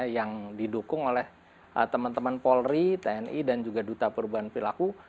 yang didukung oleh teman teman polri tni dan juga duta perubahan perilaku